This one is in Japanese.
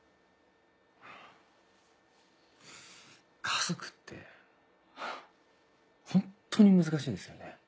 家族ってホントに難しいですよね。